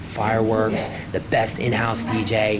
fireworks dj yang terbaik di rumah